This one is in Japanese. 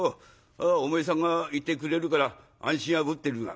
「おめえさんがいてくれるから安心はぶってるが。